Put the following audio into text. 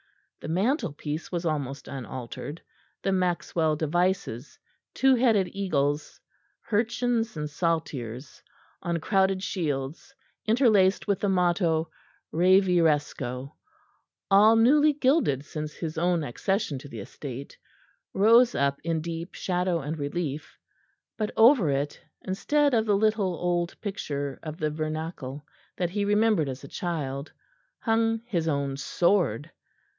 The mantelpiece was almost unaltered; the Maxwell devices, two headed eagles, hurcheons and saltires, on crowded shields, interlaced with the motto Reviresco, all newly gilded since his own accession to the estate, rose up in deep shadow and relief; but over it, instead of the little old picture of the Vernacle that he remembered as a child, hung his own sword.